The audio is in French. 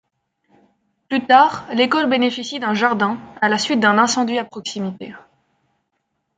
Plus tard, l'école bénéficie d'un jardin, à la suite d'un incendie à proximité.